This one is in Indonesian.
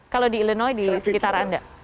kalau di illinois di sekitar anda